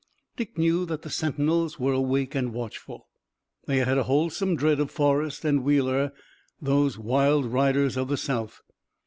Dick knew that the sentinels were awake and watchful. They had a wholesome dread of Forrest and Wheeler, those wild riders of the South.